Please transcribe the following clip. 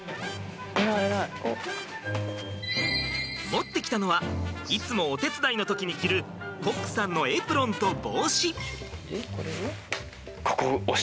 持ってきたのはいつもお手伝いの時に着るコックさんのエプロンと帽子。